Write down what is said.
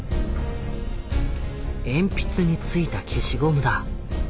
鉛筆に付いた消しゴムだ。